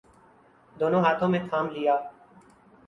دونوں ہاتھوں میں تھام لیا۔